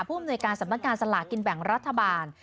ผู้บุญในการสำนักงานสลากกินแบ่งรัฐบาล